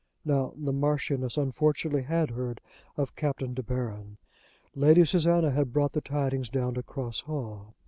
Now the Marchioness unfortunately had heard of Captain De Baron. Lady Susanna had brought the tidings down to Cross Hall.